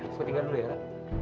aku tinggal dulu ya rah